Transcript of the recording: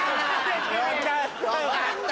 よかった。